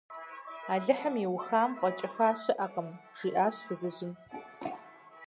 - Алыхьым иухам фӀэкӀыфа щыӀэкъым, – жиӀащ фызыжьым.